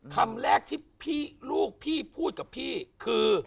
คำแรกที่ลูกพี่พูดกับพี่คือ